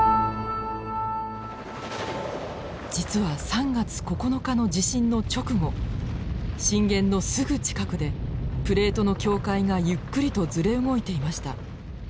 実は３月９日の地震の直後震源のすぐ近くでプレートの境界がゆっくりとずれ動いていました。